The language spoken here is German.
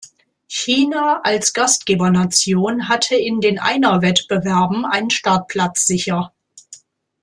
China als Gastgebernation hatte in den Einer-Wettbewerben einen Startplatz sicher.